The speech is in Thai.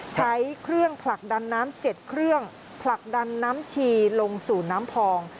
ใช้เครื่องผลักดันน้ำ๗เครื่องผลักดันน้ำชีลงสู่น้ำพอง